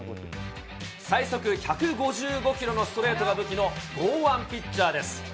最速１５５キロのストレートが武器の剛腕ピッチャーです。